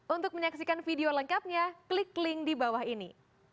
untuk menyaksikan video lengkapnya klik link di bawah ini